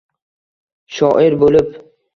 Shoir bo’lib